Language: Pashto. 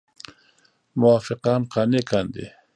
موافقان قانع کاندي.